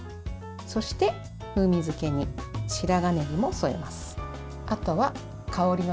そして、風味付けに白髪ねぎも添えます。